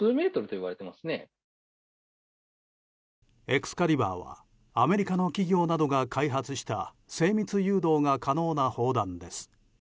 エクスカリバーはアメリカの企業などが開発した精密誘導が可能な砲弾です。